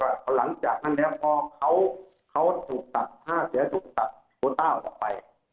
หลังจากนั้นพอเขาถูกตัดภาพเศรษฐศาสตร์โปรต้าออกไป